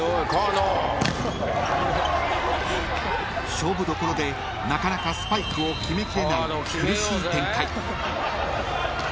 ［勝負どころでなかなかスパイクを決めきれない苦しい展開］